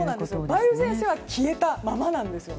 梅雨前線は消えたままなんです。